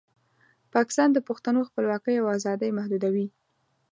پاکستان د پښتنو خپلواکۍ او ازادۍ محدودوي.